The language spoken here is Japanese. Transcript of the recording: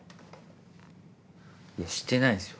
いやしてないですよ。